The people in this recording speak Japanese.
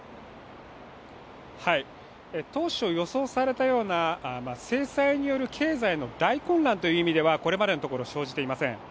当初予想されたような制裁による経済の大混乱という意味ではこれまでのところ、生じていません